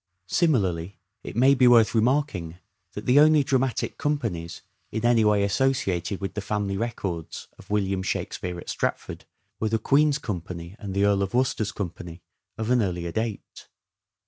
Similarly, it may be worth remarking that the only dramatic companies in any way associated with the family records of William Shakspere at Stratford were " The Queen's Company and the Earl of Worcester's Company " of an earlier date.